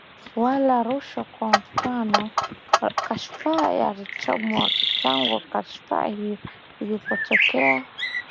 wala rushwa Kwa mfano kashfa ya Richmond Tangu kashfa hiyo ilipotokea Lowassa hakuwahi kuiongelea